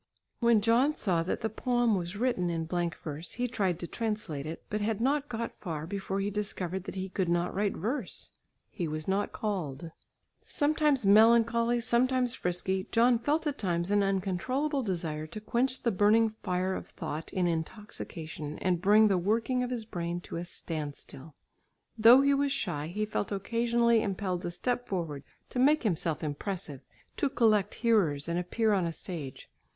When John saw that the poem was written in blank verse he tried to translate it, but had not got far, before he discovered that he could not write verse. He was not "called." Sometimes melancholy, sometimes frisky, John felt at times an uncontrollable desire to quench the burning fire of thought in intoxication and bring the working of his brain to a standstill. Though he was shy, he felt occasionally impelled to step forward, to make himself impressive, to collect hearers and appear on a stage.